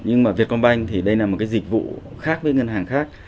nhưng mà vietcombank thì đây là một cái dịch vụ khác với ngân hàng khác